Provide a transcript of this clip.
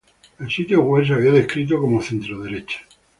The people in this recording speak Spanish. El sitio web habia sido descrito como centroderecha y libertario.